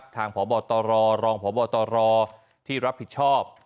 พบตรรองพบตรที่รับผิดชอบ